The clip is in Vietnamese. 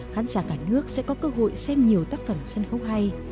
khán giả cả nước sẽ có cơ hội xem nhiều tác phẩm sân khấu hay